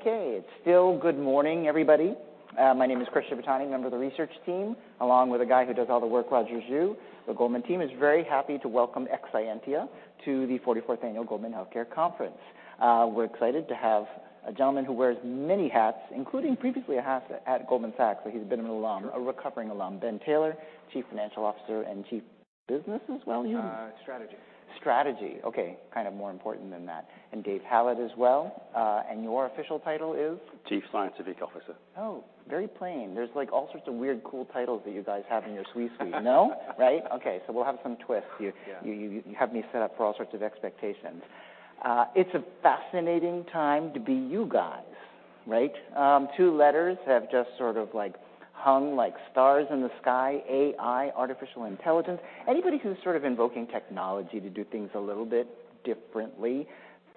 Okay, it's still good morning, everybody. My name is Chris Shibutani, member of the research team, along with a guy who does all the work, Roger Zhu. The Goldman team is very happy to welcome Exscientia to the 44th Annual Goldman Healthcare Conference. We're excited to have a gentleman who wears many hats, including previously a hat at Goldman Sachs, so he's been an alum- Sure. A recovering alum, Ben Taylor, Chief Financial Officer and Chief Business as well, you? Strategy. Strategy, okay. Kind of more important than that. Dave Hallett as well. Your official title is? Chief Scientific Officer. Oh, very plain. There's, like, all sorts of weird, cool titles that you guys have in your C-suite. No? Right. Okay, we'll have some twists here. Yeah. You have me set up for all sorts of expectations. It's a fascinating time to be you guys, right? Two letters have just sort of, like, hung like stars in the sky, AI, artificial intelligence. Anybody who's sort of invoking technology to do things a little bit differently,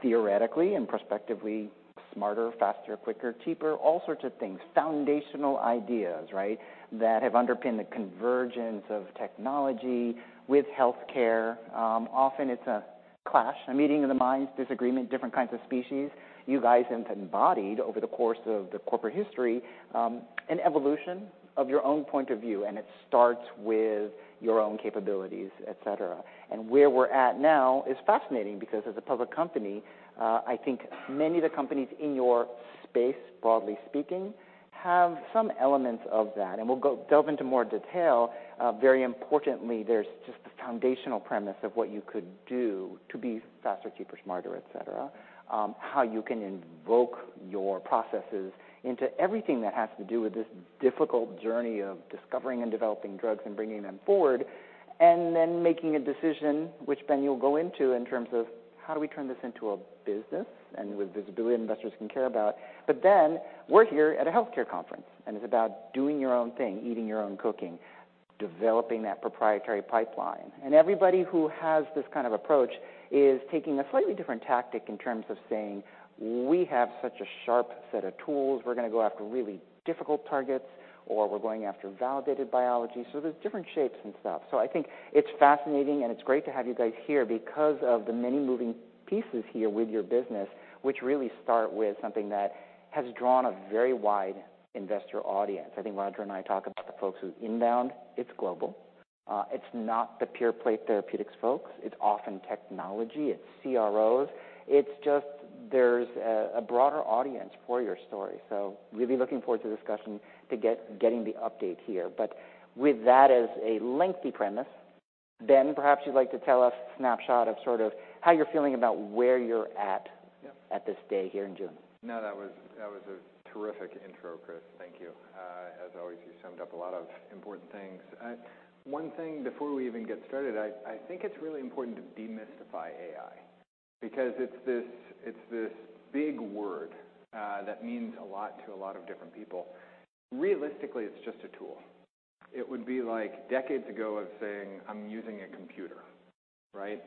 theoretically and prospectively, smarter, faster, quicker, cheaper, all sorts of things, foundational ideas, right, that have underpinned the convergence of technology with healthcare. Often it's a clash, a meeting of the minds, disagreement, different kinds of species. You guys have embodied over the course of the corporate history, an evolution of your own point of view, and it starts with your own capabilities, et cetera. Where we're at now is fascinating because as a public company, I think many of the companies in your space, broadly speaking, have some elements of that, and we'll go delve into more detail. Very importantly, there's just the foundational premise of what you could do to be faster, cheaper, smarter, et cetera. How you can invoke your processes into everything that has to do with this difficult journey of discovering and developing drugs and bringing them forward, and then making a decision, which Ben, you'll go into in terms of how do we turn this into a business and with visibility investors can care about. We're here at a healthcare conference, and it's about doing your own thing, eating your own cooking, developing that proprietary pipeline. Everybody who has this kind of approach is taking a slightly different tactic in terms of saying, "We have such a sharp set of tools, we're gonna go after really difficult targets," or, "We're going after validated biology." There's different shapes and stuff. I think it's fascinating, and it's great to have you guys here because of the many moving pieces here with your business, which really start with something that has drawn a very wide investor audience. I think Roger and I talk about the folks who's inbound, it's global. It's not the pure play therapeutics folks; it's often technology, it's CROs. It's just there's a broader audience for your story. Really looking forward to the discussion to getting the update here. With that as a lengthy premise, Ben, perhaps you'd like to tell us a snapshot of sort of how you're feeling about where you're at? Yeah... at this day here in June. No, that was, that was a terrific intro, Chris. Thank you. As always, you summed up a lot of important things. One thing before we even get started, I think it's really important to demystify AI, because it's this big word that means a lot to a lot of different people. Realistically, it's just a tool. It would be like decades ago of saying, "I'm using a computer." Right?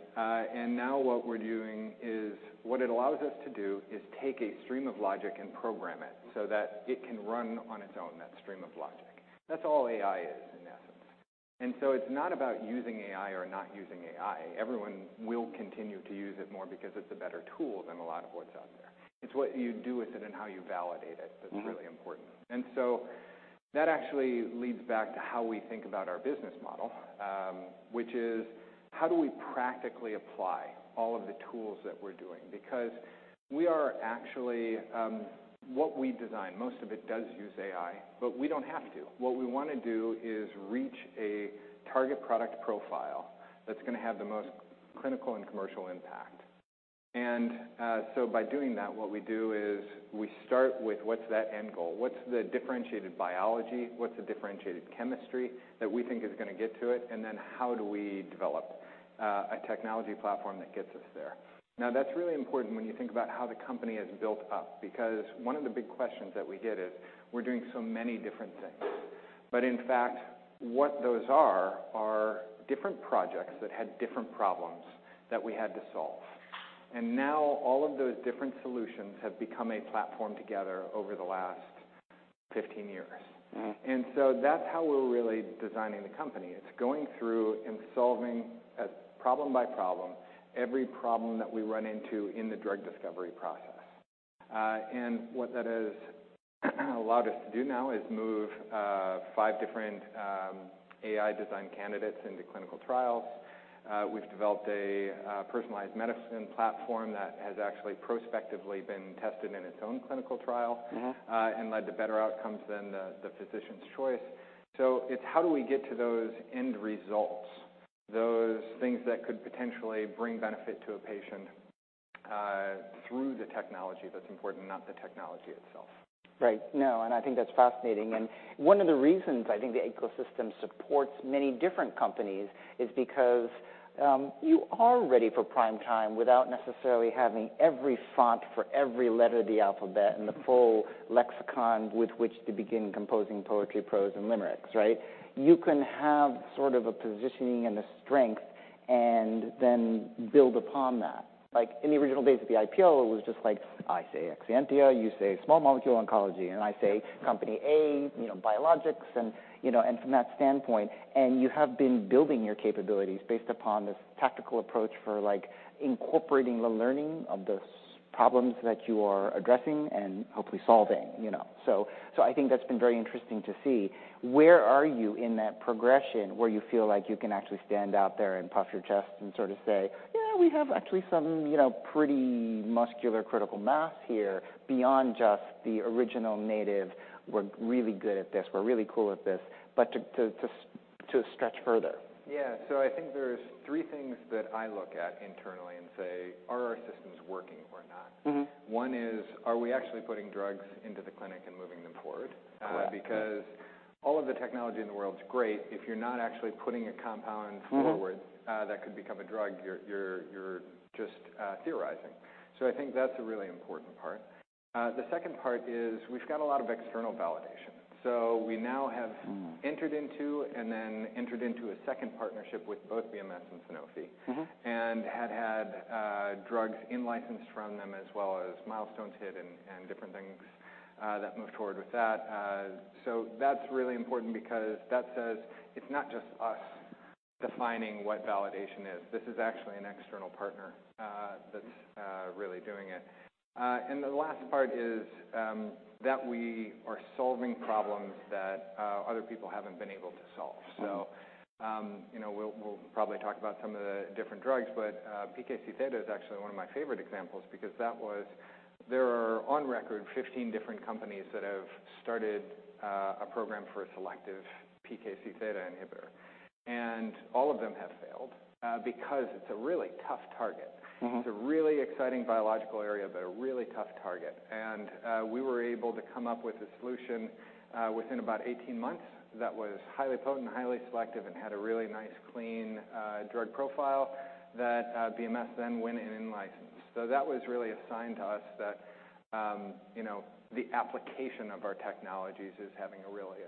Now what we're doing is, what it allows us to do is take a stream of logic and program it so that it can run on its own, that stream of logic. That's all AI is, in essence. It's not about using AI or not using AI. Everyone will continue to use it more because it's a better tool than a lot of what's out there. It's what you do with it and how you validate it. That's really important. That actually leads back to how we think about our business model, which is, how do we practically apply all of the tools that we're doing? Because we are actually, what we design, most of it does use AI, but we don't have to. What we wanna do is reach a target product profile that's gonna have the most clinical and commercial impact. By doing that, what we do is we start with what's that end goal? What's the differentiated biology, what's the differentiated chemistry that we think is gonna get to it, and then how do we develop a technology platform that gets us there? That's really important when you think about how the company is built up, because one of the big questions that we get is we're doing so many different things. In fact, what those are different projects that had different problems that we had to solve. Now all of those different solutions have become a platform together over the last 15 years. That's how we're really designing the company. It's going through and solving a problem by problem, every problem that we run into in the drug discovery process. What that has allowed us to do now is move five different AI design candidates into clinical trials. We've developed a personalized medicine platform that has actually prospectively been tested in its own clinical trial, and led to better outcomes than the physician's choice. It's how do we get to those end results, those things that could potentially bring benefit to a patient, through the technology that's important, not the technology itself. Right. No, I think that's fascinating. One of the reasons I think the ecosystem supports many different companies is because you are ready for prime time without necessarily having every font for every letter of the alphabet and the full lexicon with which to begin composing poetry, prose, and limericks, right? You can have sort of a positioning and a strength, and then build upon that. Like in the original days of the IPO, it was just like I say, Exscientia, you say small molecule oncology, and I say company A, you know, biologics. You know, from that standpoint, and you have been building your capabilities based upon this tactical approach for, like, incorporating the learning of the problems that you are addressing and hopefully solving, you know. I think that's been very interesting to see. Where are you in that progression where you feel like you can actually stand out there and puff your chest and sort of say, "Yeah, we have actually some, you know, pretty muscular, critical mass here," beyond just the original native, we're really good at this, we're really cool at this, but to stretch further? Yeah. I think there's three things that I look at internally and say, "Are our systems working or not? One is, are we actually putting drugs into the clinic and moving them forward? Correct. Because all of the technology in the world is great, if you're not actually putting a compound forward that could become a drug, you're just theorizing. I think that's a really important part. The second part is we've got a lot of external validation. We now have entered into, and then entered into a second partnership with both BMS and Sanofi had drugs in-licensed from them, as well as milestones hit and different things that moved forward with that. That's really important because that says it's not just us defining what validation is. This is actually an external partner that's really doing it. The last part is that we are solving problems that other people haven't been able to solve. We'll probably talk about some of the different drugs, but PKC-theta is actually one of my favorite examples because that was... There are on record 15 different companies that have started a program for a selective PKC-theta inhibitor, and all of them have failed because it's a really tough target. It's a really exciting biological area, but a really tough target. We were able to come up with a solution within about 18 months that was highly potent, highly selective, and had a really nice, clean drug profile that BMS then went and in-licensed. That was really a sign to us that, you know, the application of our technologies is having a really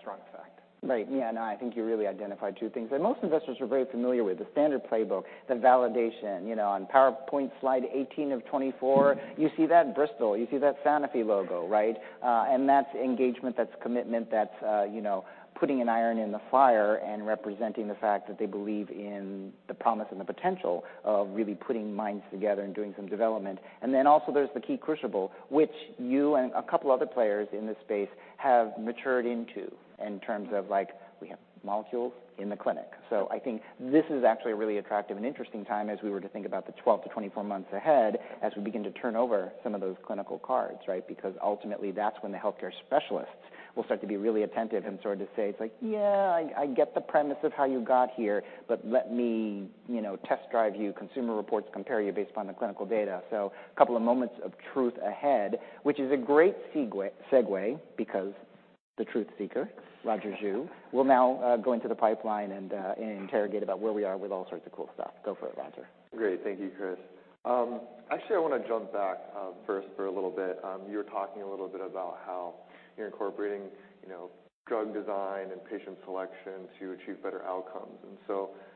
strong effect. Right. Yeah, no, I think you really identified two things. Most investors are very familiar with the standard playbook, the validation. You know, on PowerPoint slide 18 of 24, you see that Bristol, you see that Sanofi logo, right? That's engagement, that's commitment, that's, you know, putting an iron in the fire and representing the fact that they believe in the promise and the potential of really putting minds together and doing some development. Then also, there's the key crucible, which you and a couple other players in this space have matured into in terms of like, we have molecules in the clinic. I think this is actually a really attractive and interesting time as we were to think about the 12 to 24 months ahead, as we begin to turn over some of those clinical cards, right? Ultimately, that's when the healthcare specialists will start to be really attentive and sort of say, it's like: Yeah, I get the premise of how you got here, but let me, you know, test drive you, consumer reports compare you based upon the clinical data. A couple of moments of truth ahead, which is a great segue. The truth seeker, Roger Zhu will now go into the pipeline and interrogate about where we are with all sorts of cool stuff. Go for it, Roger. Great. Thank you, Chris. actually, I want to jump back first for a little bit. you were talking a little bit about how you're incorporating, you know, drug design and patient selection to achieve better outcomes.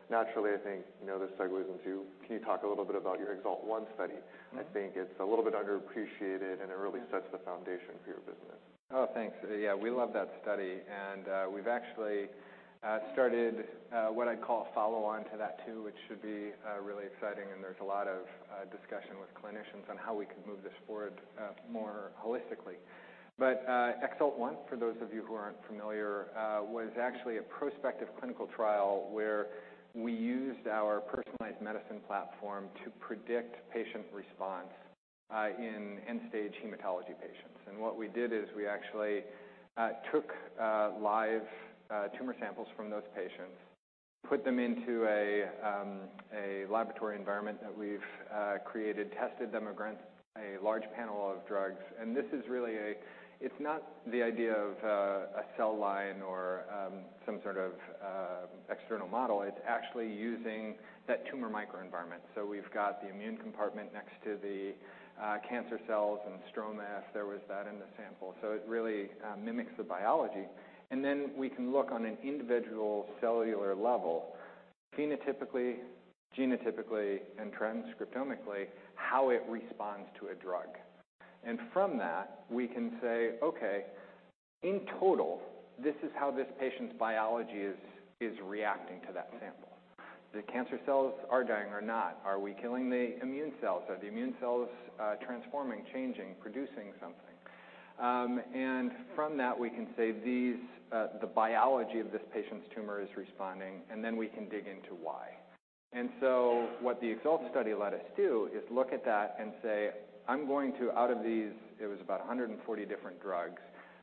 naturally, I think, you know, this segues into, Can you talk a little bit about your EXALT-1 study? I think it's a little bit underappreciated, and it really sets the foundation for your business. Oh, thanks. Yeah, we love that study, and we've actually started what I'd call a follow-on to that too, which should be really exciting. There's a lot of discussion with clinicians on how we could move this forward more holistically. EXALT-1, for those of you who aren't familiar, was actually a prospective clinical trial where we used our personalized medicine platform to predict patient response in end-stage hematology patients. What we did is we actually took live tumor samples from those patients, put them into a laboratory environment that we've created, tested them against a large panel of drugs. This is really it's not the idea of a cell line or some sort of external model. It's actually using that tumor microenvironment. We've got the immune compartment next to the cancer cells and stroma if there was that in the sample. It really mimics the biology. We can look on an individual cellular level, phenotypically, genotypically, and transcriptomically, how it responds to a drug. From that, we can say, "Okay, in total, this is how this patient's biology is reacting to that sample. The cancer cells are dying or not. Are we killing the immune cells? Are the immune cells transforming, changing, producing something?" From that, we can say, the biology of this patient's tumor is responding, then we can dig into why. What the EXALT-1 study let us do is look at that and say, "I'm going to, out of these," it was about 140 different drugs,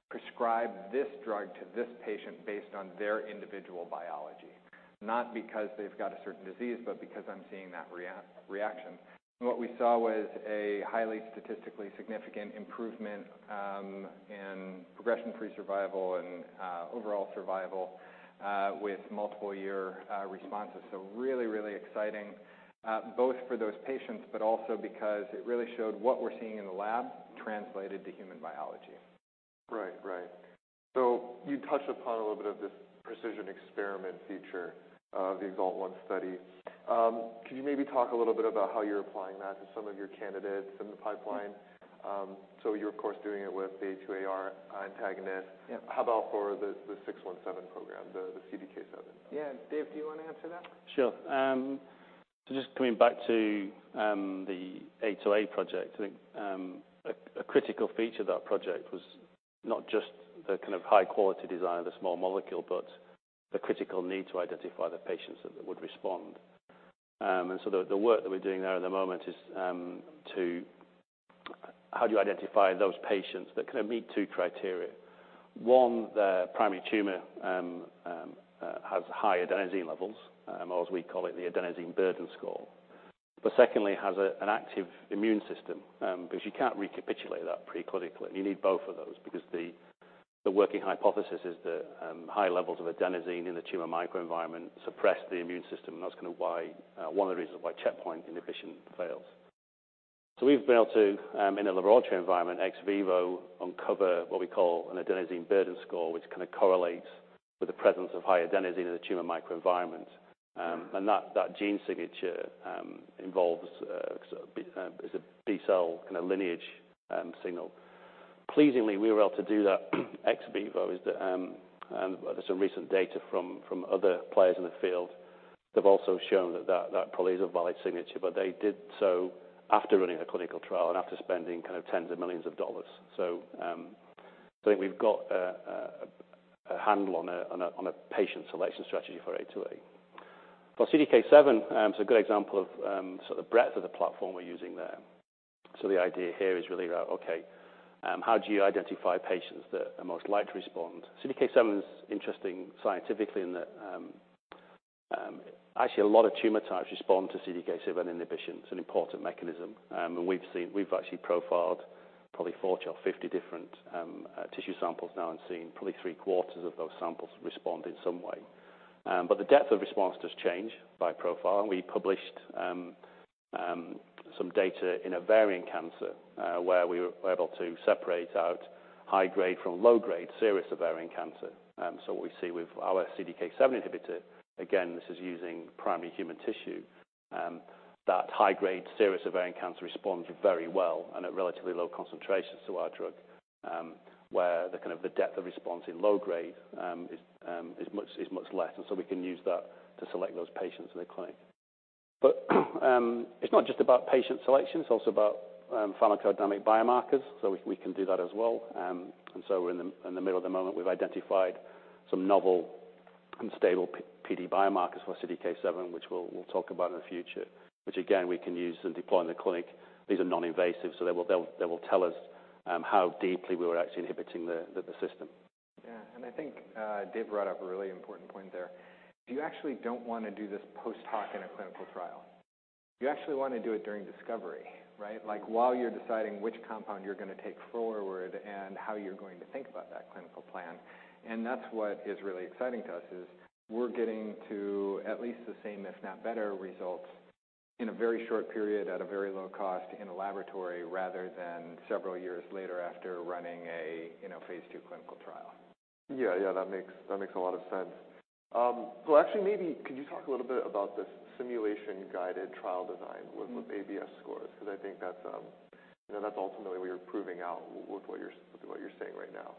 "prescribe this drug to this patient based on their individual biology, not because they've got a certain disease, but because I'm seeing that reaction." What we saw was a highly statistically significant improvement in progression-free survival and overall survival with multiple year responses. Really, really exciting both for those patients, but also because it really showed what we're seeing in the lab translated to human biology. Right. You touched upon a little bit of this precision experiment feature of the EXALT-1 study. Could you maybe talk a little bit about how you're applying that to some of your candidates in the pipeline? You're of course, doing it with the A2AR antagonist. Yeah. How about for the 617 program, the CDK7? Yeah. Dave, do you want to answer that? Sure. Just coming back to the A2A project, I think a critical feature of that project was not just the kind of high quality design of the small molecule, but the critical need to identify the patients that would respond. The work that we're doing there at the moment is to how do you identify those patients that kind of meet two criteria? One, their primary tumor has high adenosine levels, or as we call it, the adenosine burden score. Secondly, has an active immune system, because you can't recapitulate that preclinically. You need both of those, because the working hypothesis is that high levels of adenosine in the tumor microenvironment suppress the immune system, and that's kind of why one of the reasons why checkpoint inhibition fails. We've been able to, in a laboratory environment, ex vivo, uncover what we call an adenosine burden score, which kind of correlates with the presence of high adenosine in the tumor microenvironment. That, that gene signature involves is a B cell kind of lineage signal. Pleasingly, we were able to do that ex vivo, is that there's some recent data from other players in the field that have also shown that that probably is a valid signature. They did so after running a clinical trial and after spending kind of tens of millions of dollars. I think we've got a handle on a patient selection strategy for A2A. For CDK7, it's a good example of sort of breadth of the platform we're using there. The idea here is really about, okay, how do you identify patients that are most likely to respond? CDK7 is interesting scientifically in that actually a lot of tumor types respond to CDK7 inhibition. It's an important mechanism. We've actually profiled probably 40 or 50 different tissue samples now, and seen probably 3/4 of those samples respond in some way. The depth of response does change by profile. We published some data in ovarian cancer, where we were able to separate out high grade from low grade serous ovarian cancer. What we see with our CDK7 inhibitor, again, this is using primary human tissue, that high grade serous ovarian cancer responds very well and at relatively low concentrations to our drug, where the kind of the depth of response in low grade, is much less. We can use that to select those patients in the clinic. It's not just about patient selection, it's also about pharmacodynamic biomarkers. We can do that as well. We're in the middle of the moment, we've identified some novel and stable PD biomarkers for CDK7, which we'll talk about in the future, which again, we can use and deploy in the clinic. These are non-invasive, so they will tell us, how deeply we're actually inhibiting the system. Yeah. I think Dave brought up a really important point there. You actually don't want to do this post-hoc in a clinical trial. You actually want to do it during discovery, right? Like, while you're deciding which compound you're going to take forward and how you're going to think about that clinical plan. That's what is really exciting to us, is we're getting to at least the same, if not better, results in a very short period, at a very low cost in a laboratory, rather than several years later after running a, you know, phase II clinical trial. Yeah, that makes a lot of sense. Actually, maybe could you talk a little bit about this simulation-guided trial design ABS scores? Because I think that's, you know, that's ultimately what you're proving out with what you're saying right now.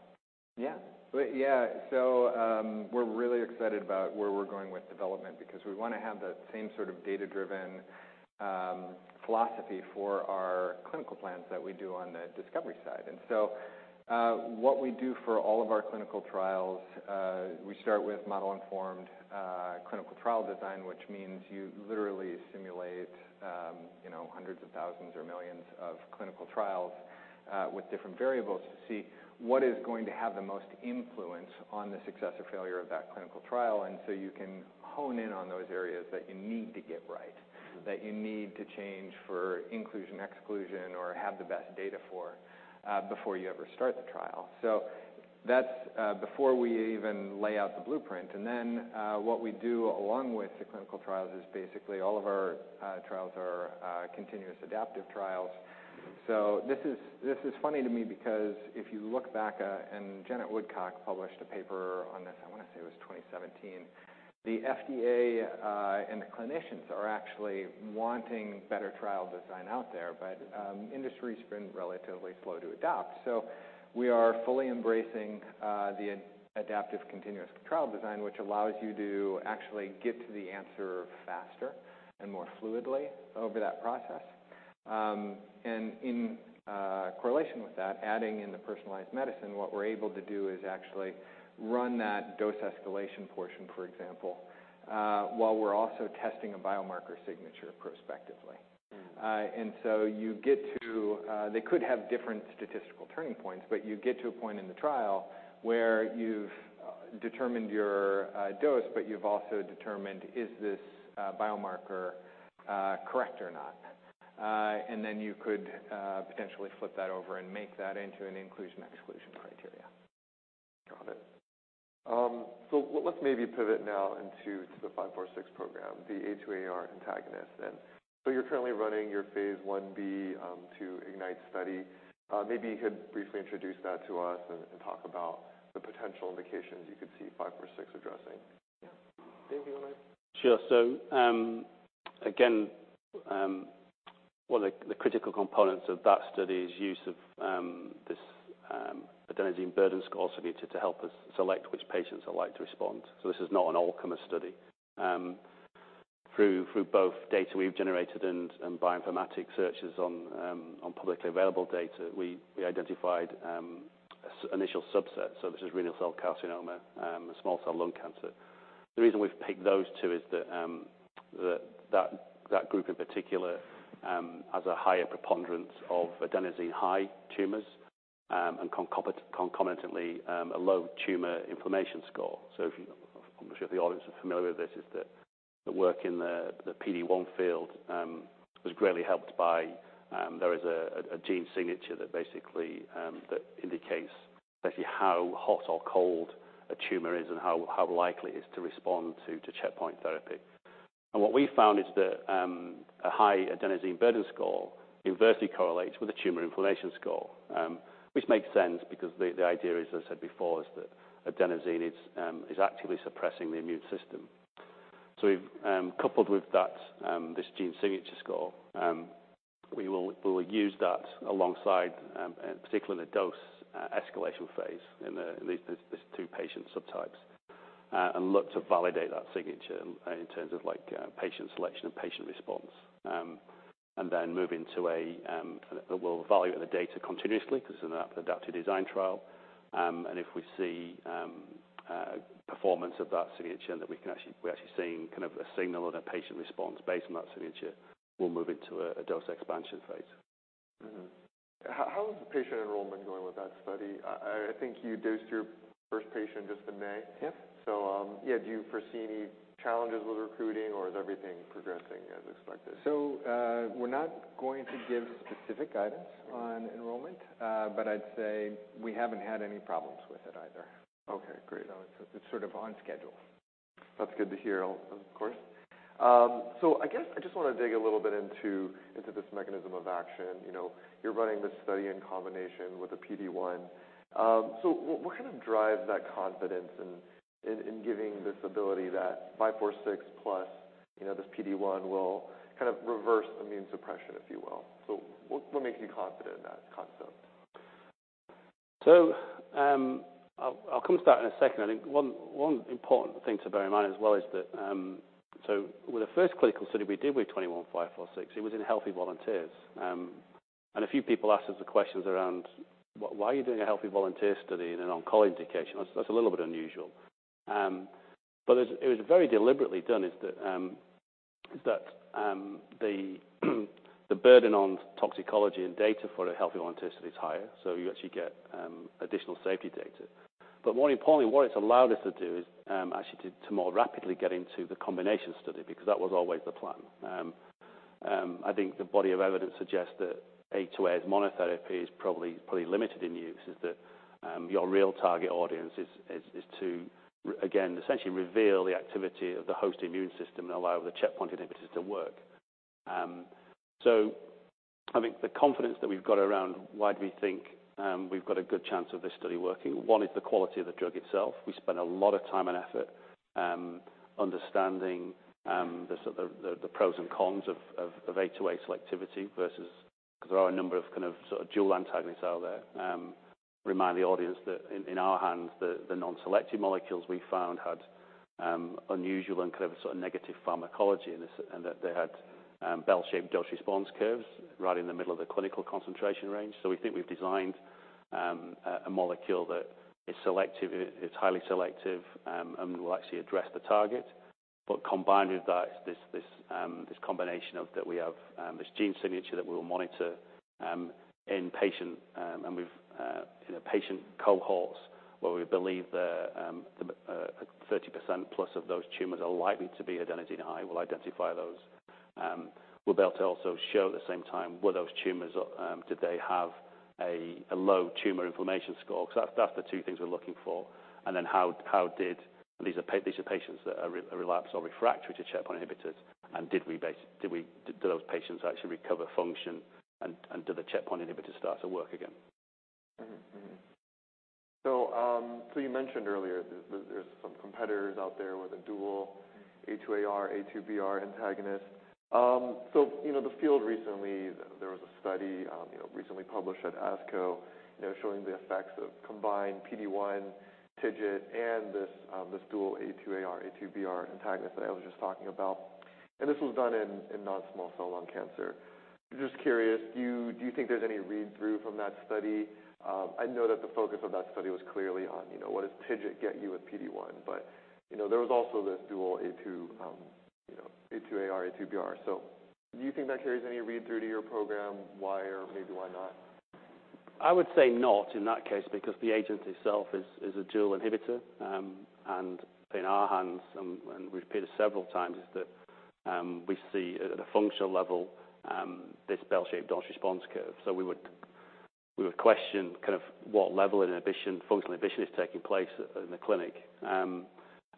We're really excited about where we're going with development because we wanna have that same sort of data-driven philosophy for our clinical plans that we do on the discovery side. What we do for all of our clinical trials, we start with model-informed clinical trial design, which means you literally simulate, you know, hundreds of thousands or millions of clinical trials with different variables to see what is going to have the most influence on the success or failure of that clinical trial. You can hone in on those areas that you need to get right, that you need to change for inclusion, exclusion, or have the best data for before you ever start the trial. That's before we even lay out the blueprint. What we do along with the clinical trials is basically all of our trials are continuous adaptive trials. This is funny to me because if you look back, and Janet Woodcock published a paper on this, I want to say it was 2017. The FDA and the clinicians are actually wanting better trial design out there, but industry's been relatively slow to adopt. We are fully embracing the adaptive continuous trial design, which allows you to actually get to the answer faster and more fluidly over that process. In correlation with that, adding in the personalized medicine, what we're able to do is actually run that dose escalation portion, for example, while we're also testing a biomarker signature prospectively. They could have different statistical turning points, but you get to a point in the trial where you've determined your dose, but you've also determined, is this biomarker correct or not? Then you could potentially flip that over and make that into an inclusion, exclusion criteria. Let's maybe pivot now into the 546 program, the A2AR antagonist. You're currently running your phase Ib IGNITE study. Maybe you could briefly introduce that to us and talk about the potential indications you could see 546 addressing. Yeah. Dave, do you mind? Sure. Again, one of the critical components of that study is use of this adenosine burden score also needed to help us select which patients are likely to respond. This is not an all-comer study. Through both data we've generated and bioinformatic searches on publicly available data, we identified initial subset. This is renal cell carcinoma, and small cell lung cancer. The reason we've picked those two is that group in particular, has a higher preponderance of adenosine high tumors, and concomitantly, a low Tumour Inflammation Score. I'm sure the audience is familiar with this, is that the work in the PD-1 field, was greatly helped by, there is a gene signature that basically, that indicates basically how hot or cold a tumor is and how likely it's to respond to checkpoint therapy. What we found is that a high adenosine burden score inversely correlates with the Tumour Inflammation Score. Which makes sense because the idea, as I said before, is that adenosine is actively suppressing the immune system. We've coupled with that, this gene signature score, we will use that alongside, and particularly in the dose escalation phase in these two patient subtypes, and look to validate that signature in terms of like patient selection and patient response. Move into a, we'll evaluate the data continuously because it's an adaptive continuous trial design. If we see, performance of that signature that we're actually seeing kind of a signal or a patient response based on that signature, we'll move into a dose expansion phase. How is the patient enrollment going with that study? I think you dosed your first patient just in May. Yep. Yeah, do you foresee any challenges with recruiting or is everything progressing as expected? We're not going to give specific guidance on enrollment, but I'd say we haven't had any problems with it either. Okay, great. It's sort of on schedule. That's good to hear, of course. I guess I just want to dig a little bit into this mechanism of action. You know, you're running this study in combination with the PD-1. What kind of drives that confidence in giving this ability that 546 plus, you know, this PD-1 will kind of reverse immune suppression, if you will? What makes you confident in that concept? I'll come to that in a second. I think one important thing to bear in mind as well is that, so with the first clinical study we did with EXS21546, it was in healthy volunteers. A few people asked us the questions around, well, why are you doing a healthy volunteer study in an oncology indication? That's a little bit unusual. It was very deliberately done, is that the burden on toxicology and data for a healthy volunteer study is higher, so you actually get additional safety data. More importantly, what it's allowed us to do is actually more rapidly get into the combination study, because that was always the plan. I think the body of evidence suggests that A2A as monotherapy is probably limited in use, is that your real target audience is to, again, essentially reveal the activity of the host immune system and allow the checkpoint inhibitors to work. I think the confidence that we've got around why do we think we've got a good chance of this study working? One is the quality of the drug itself. We spent a lot of time and effort understanding the pros and cons of A2A selectivity versus... Because there are a number of kind of sort of dual antagonists out there. Remind the audience that in our hands, the non-selective molecules we found had unusual and kind of sort of negative pharmacology, and that they had bell-shaped dose response curves right in the middle of the clinical concentration range. We think we've designed a molecule that is selective, is highly selective, and will actually address the target. Combined with that is this combination of, that we have this gene signature that we will monitor in patient, and with in a patient cohorts, where we believe that 30%= of those tumors are likely to be adenosine high. We'll identify those. We'll be able to also show at the same time, were those tumors, did they have a low Tumor Inflammation Score? That's the two things we're looking for. These are patients that are relapsed or refractory to checkpoint inhibitors, and did we, did those patients actually recover function and do the checkpoint inhibitors start to work again? You mentioned earlier there's some competitors out there with a dual A2AR, A2BR antagonist. You know, the field recently, there was a study, you know, recently published at ASCO, you know, showing the effects of combined PD-1 TIGIT and this dual A2AR, A2BR antagonist that I was just talking about. This was done in non-small cell lung cancer. Just curious, do you think there's any read-through from that study? I know that the focus of that study was clearly on, you know, what does TIGIT get you with PD-1? You know, there was also this dual A2, you know, A2AR, A2BR. Do you think that carries any read-through to your program? Why or maybe why not? I would say not in that case, because the agent itself is a dual inhibitor. And in our hands, and we've repeated several times, is that, we see at a, at a functional level, this bell-shaped dose response curve. We would question kind of what level of inhibition, functional inhibition is taking place in the clinic.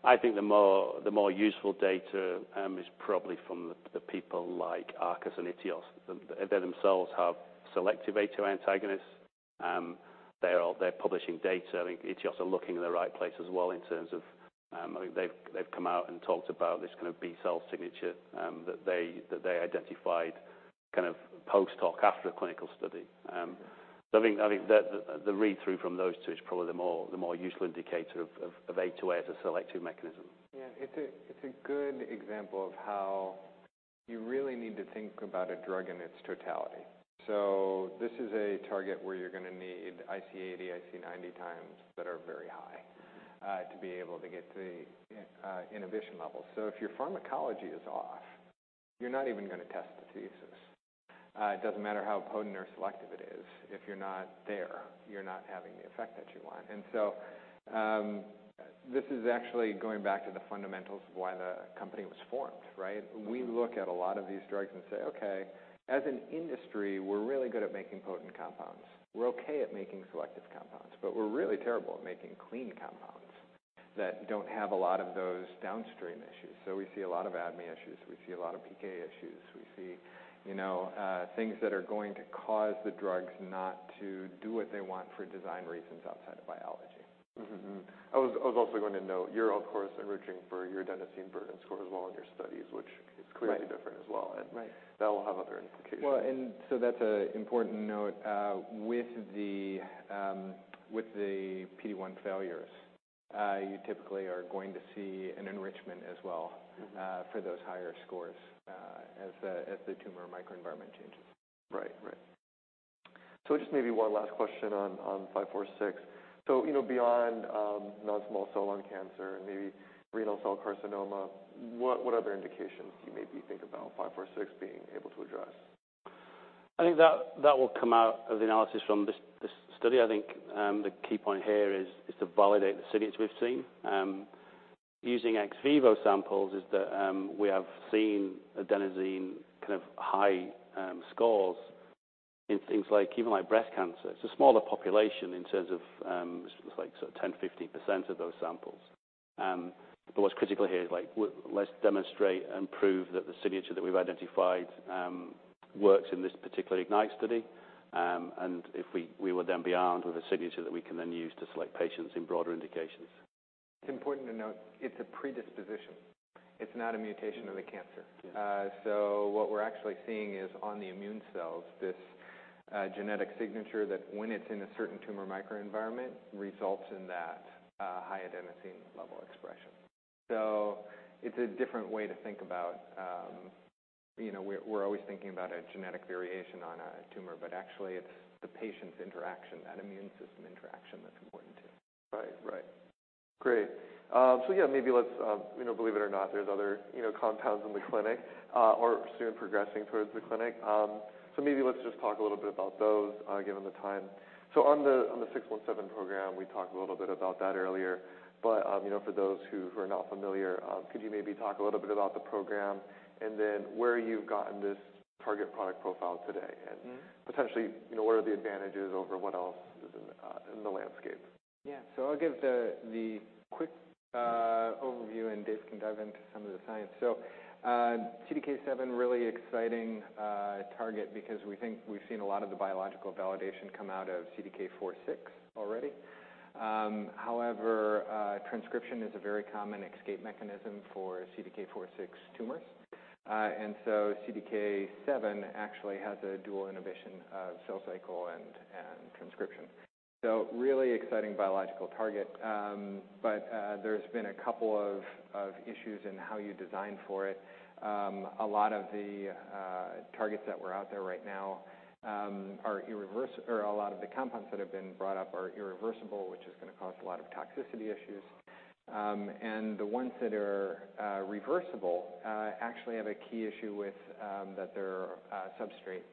I think the more, the more useful data, is probably from the people like Arcus and iTeos. They themselves have selective A2A antagonists. They're publishing data. I think iTeos are looking in the right place as well, in terms of, I think they've come out and talked about this kind of B cell signature, that they, that they identified kind of post-hoc after a clinical study. I think that the read-through from those two is probably the more useful indicator of A2A as a selective mechanism. Yeah, it's a good example of how you really need to think about a drug in its totality. This is a target where you're gonna need IC80, IC90 times that are very high to be able to get the inhibition level. If your pharmacology is off, you're not even gonna test the thesis. It doesn't matter how potent or selective it is, if you're not there, you're not having the effect that you want. This is actually going back to the fundamentals of why the company was formed, right? We look at a lot of these drugs and say, "Okay, as an industry, we're really good at making potent compounds. We're okay at making selective compounds, but we're really terrible at making clean compounds that don't have a lot of those downstream issues." We see a lot of ADME issues, we see a lot of PK issues. We see, you know, things that are going to cause the drugs not to do what they want for design reasons outside of biology. I was also going to note, you're of course, enriching for your adenosine burden score as well in your studies, which is clearly different as well. Right. That will have other implications. Well, that's an important note. With the with the P1 failures, you typically are going to see an enrichment as well for those higher scores, as the tumor microenvironment changes. Right. Just maybe one last question on 546. You know, beyond, non-small cell lung cancer and maybe renal cell carcinoma, what other indications do you maybe think about 546 being able to address? I think that will come out of the analysis from this study. I think the key point here is to validate the signage we've seen. Using ex vivo samples is that we have seen adenosine kind of high scores in things like, even like breast cancer. It's a smaller population in terms of, it's like sort of 10, 15% of those samples. What's critical here is like, let's demonstrate and prove that the signature that we've identified works in this particular IGNITE-AI study. If we will then be armed with a signature that we can then use to select patients in broader indications. It's important to note, it's a predisposition. It's not a mutation of the cancer. Yes. What we're actually seeing is on the immune cells, this genetic signature, that when it's in a certain tumor microenvironment, results in that high adenosine level expression. It's a different way to think about. You know, we're always thinking about a genetic variation on a tumor, but actually it's the patient's interaction, that immune system interaction that's important, too. Great. Yeah, maybe let's, you know, believe it or not, there's other, you know, compounds in the clinic, or soon progressing towards the clinic. Maybe let's just talk a little bit about those, given the time. On the, on the 617 program, we talked a little bit about that earlier, but, you know, for those who are not familiar, could you maybe talk a little bit about the program, and then where you've gotten this target product profile today? Potentially, you know, what are the advantages over what else is in the, in the landscape? Yeah. I'll give the quick overview, and Dave can dive into some of the science. CDK7, really exciting target because we think we've seen a lot of the biological validation come out of CDK4/6 already. However, transcription is a very common escape mechanism for CDK4/6 tumors. CDK7 actually has a dual inhibition of cell cycle and transcription. Really exciting biological target. There's been a couple of issues in how you design for it. A lot of the compounds that have been brought up are irreversible, which is gonna cause a lot of toxicity issues. The ones that are reversible, actually have a key issue with that they're substrate,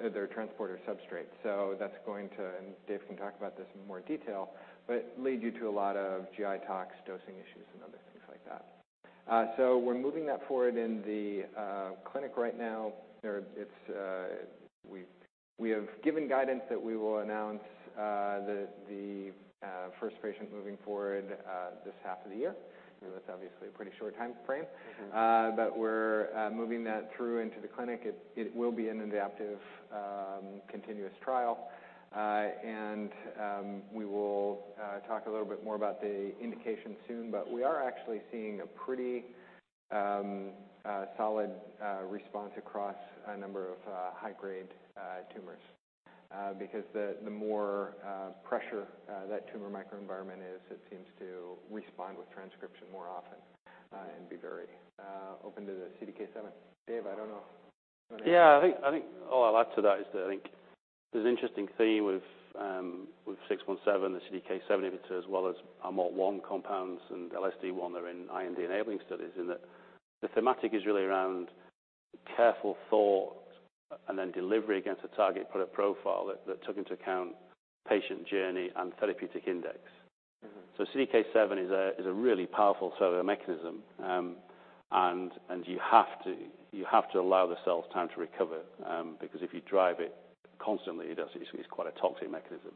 they're transporter substrate. That's going to, and Dave can talk about this in more detail, but lead you to a lot of GI toxicity dosing issues and other things like that. We're moving that forward in the clinic right now. There, it's, we've, we have given guidance that we will announce the first patient moving forward this half of the year. I know that's obviously a pretty short time frame. We're moving that through into the clinic. It will be an adaptive continuous trial. We will talk a little bit more about the indication soon, but we are actually seeing a pretty solid response across a number of high-grade tumors. Because the more pressure that tumor microenvironment is, it seems to respond with transcription more often and be very open to the CDK7. Dave, I don't know. Yeah, I think all I'll add to that is that I think there's an interesting theme with 617, the CDK7 inhibitor, as well as our MALT1 compounds and LSD1 that are in IND-enabling studies, in that the thematic is really around careful thought and then delivery against a target product profile that took into account patient journey and therapeutic index. CDK7 is a really powerful sort of a mechanism. You have to allow the cells time to recover, because if you drive it constantly, it's quite a toxic mechanism.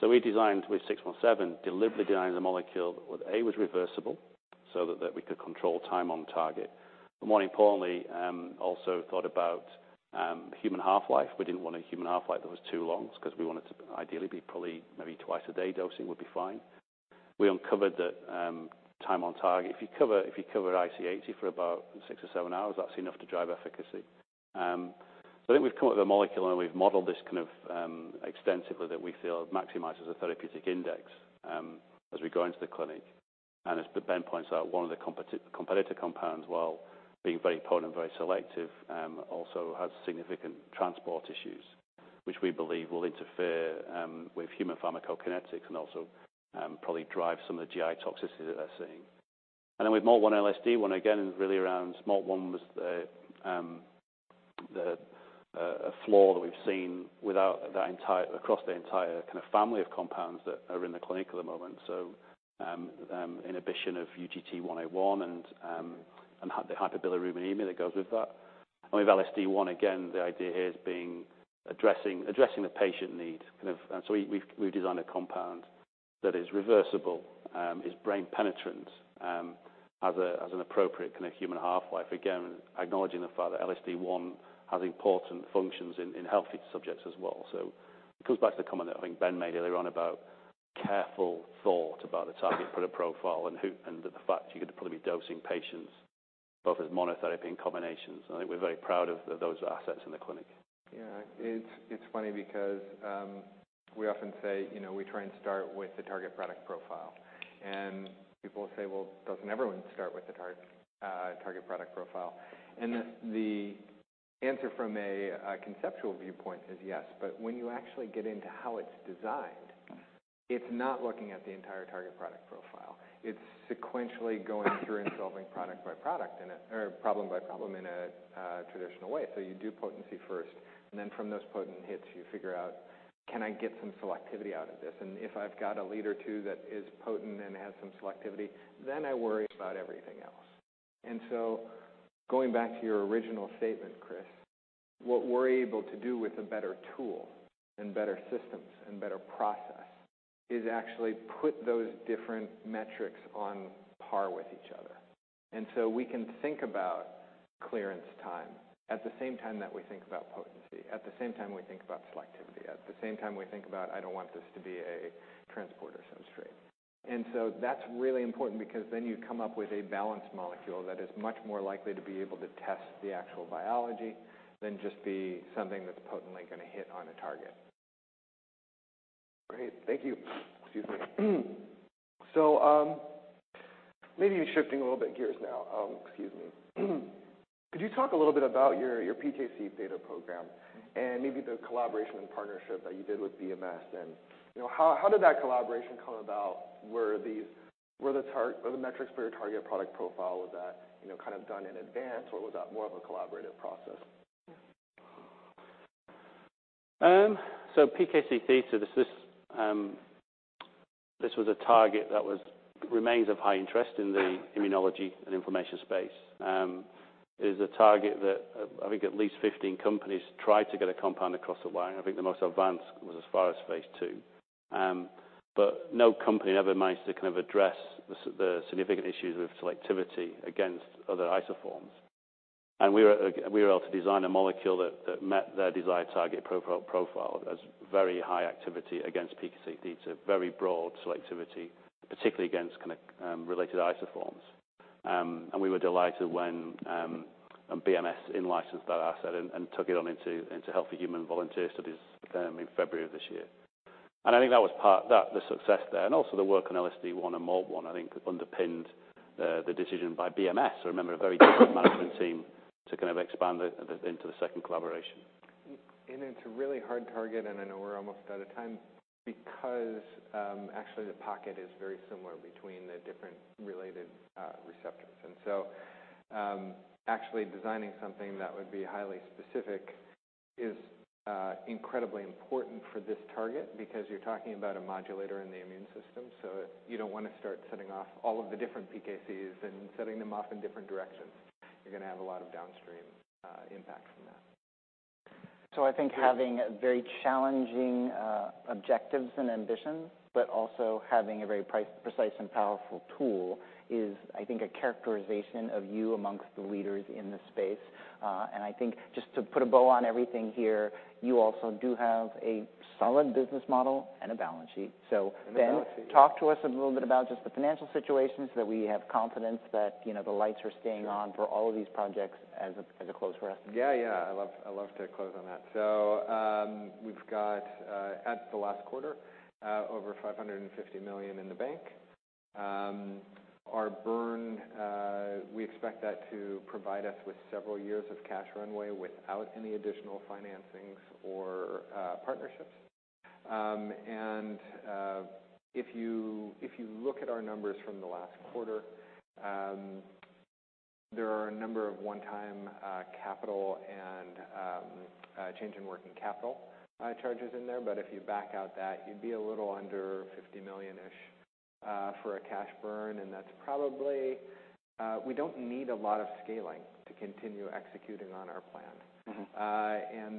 We designed with 617, deliberately designed the molecule that with A, was reversible, so that we could control time on target. More importantly, also thought about human half-life. We didn't want a human half-life that was too long, 'cause we wanted to ideally be probably maybe twice a day dosing would be fine. We uncovered that time on target. If you cover IC80 for about six or seven hours, that's enough to drive efficacy. I think we've come up with a molecule and we've modeled this kind of extensively that we feel maximizes the therapeutic index as we go into the clinic. As Ben points out, one of the competitor compounds, while being very potent and very selective, also has significant transport issues, which we believe will interfere with human pharmacokinetics and also probably drive some of the GI toxicity that they're seeing. With MALT1-LSD1, again, really around MALT1 was the a flaw that we've seen across the entire kind of family of compounds that are in the clinic at the moment. Inhibition of UGT1A1 and the hyperbilirubinemia that goes with that. With LSD1, again, the idea here is being addressing the patient need. Kind of, we've designed a compound that is reversible, is brain penetrant, as an appropriate kind of human half-life. Again, acknowledging the fact that LSD1 has important functions in healthy subjects as well. It goes back to the comment that I think Ben made earlier on about careful thought about the target product profile and who, and the fact you're going to probably be dosing patients both as monotherapy and combinations. I think we're very proud of those assets in the clinic. Yeah. It's, it's funny because, we often say, you know, we try and start with the target product profile. People say, "Well, doesn't everyone start with the target product profile?" The, the answer from a conceptual viewpoint is yes. When you actually get into how it's designed, it's not looking at the entire target product profile. It's sequentially solving product by product in a, or problem by problem in a traditional way. You do potency first, and then from those potent hits, you figure out, can I get some selectivity out of this? If I've got a lead or two that is potent and has some selectivity, then I worry about everything else. Going back to your original statement, Chris, what we're able to do with a better tool and better systems and better process, is actually put those different metrics on par with each other. We can think about clearance time at the same time that we think about potency, at the same time we think about selectivity, at the same time we think about, "I don't want this to be a transporter substrate." That's really important because then you come up with a balanced molecule that is much more likely to be able to test the actual biology than just be something that's potently gonna hit on a target. Great. Thank you. Excuse me. Maybe shifting a little bit gears now. Excuse me. Could you talk a little bit about your PKC theta program and maybe the collaboration and partnership that you did with BMS? You know, how did that collaboration come about? Were these, were the metrics for your target product profile, was that, you know, kind of done in advance, or was that more of a collaborative process? PKC-theta, this is, this was a target that remains of high interest in the immunology and inflammation space. It is a target that I think at least 15 companies tried to get a compound across the line. I think the most advanced was as far as phase II. No company ever managed to kind of address the significant issues with selectivity against other isoforms. We were able to design a molecule that met their desired target profile as very high activity against PKC theta, very broad selectivity, particularly against kind of related isoforms. We were delighted when BMS in-licensed that asset and took it on into healthy human volunteer studies in February of this year. I think that was part, the success there and also the work on LSD1 and MALT1, I think underpinned the decision by BMS. I remember a very good management team to kind of expand into the second collaboration. It's a really hard target, and I know we're almost out of time, because actually the pocket is very similar between the different related receptors. Actually designing something that would be highly specific is incredibly important for this target, because you're talking about a modulator in the immune system, so you don't want to start setting off all of the different PKCs and setting them off in different directions. You're gonna have a lot of downstream impact from that. I think having very challenging objectives and ambitions, but also having a very precise and powerful tool is, I think, a characterization of you amongst the leaders in this space. I think just to put a bow on everything here, you also do have a solid business model and a balance sheet. A balance sheet. Ben, talk to us a little bit about just the financial situation, so that we have confidence that, you know, the lights are staying on? Sure. For all of these projects as a close for us. I'd love to close on that. We've got at the last quarter over $550 million in the bank. Our burn, we expect that to provide us with several years of cash runway without any additional financings or partnerships. If you look at our numbers from the last quarter, there are a number of one-time capital and change in working capital charges in there. If you back out that, you'd be a little under $50 million-ish for a cash burn, and that's probably. We don't need a lot of scaling to continue executing on our plan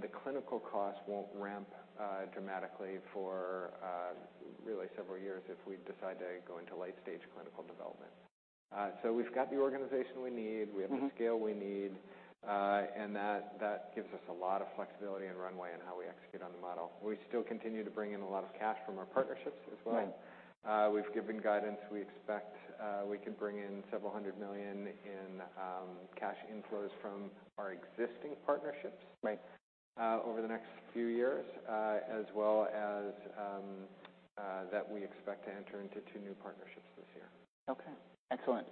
the clinical costs won't ramp dramatically for really several years if we decide to go into late-stage clinical development. We've got the organization we need. We have the scale we need. That gives us a lot of flexibility and runway in how we execute on the model. We still continue to bring in a lot of cash from our partnerships as well. Right. We've given guidance. We expect, we could bring in several hundred million in cash inflows from our existing partnerships over the next few years. As well as, that we expect to enter into two new partnerships this year. Okay, excellent.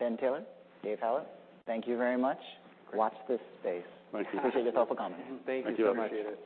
Ben Taylor, Dave Hallett, thank you very much. Great. Watch this space. Thank you. Appreciate the thoughtful comments. Thank you. Thank you very much. Appreciate it.